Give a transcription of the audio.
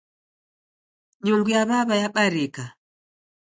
Nyungu ya w'aw'a yabarika